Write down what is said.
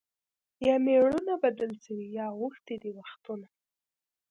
یا مېړونه بدل سوي یا اوښتي دي وختونه